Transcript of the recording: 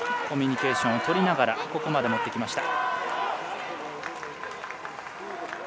コミュニケーションを取りながらここまで持ってきました。